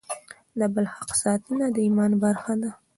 د بل حق ساتنه د ایمان برخه ده.